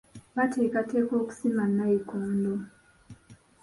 Baateekateeka okusima nnayikondo.